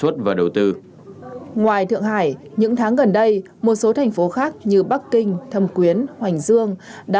thượng hải những tháng gần đây một số thành phố khác như bắc kinh thâm quyến hoành dương đã